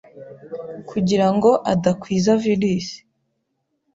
kugira ngo adakwiza virus,